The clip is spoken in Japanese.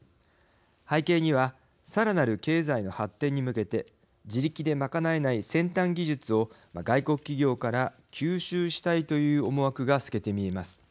背景にはさらなる経済の発展に向けて自力で賄えない先端技術を外国企業から吸収したいという思惑が透けて見えます。